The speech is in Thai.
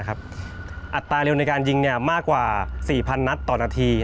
อัตราเร็วในการยิงมากกว่า๔๐๐นัดต่อนาที